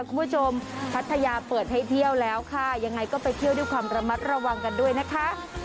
พัทยาเปิดให้เที่ยวแล้วค่ะยังไงก็ไปเที่ยวด้วยความระมัดระวังกันด้วยนะคะ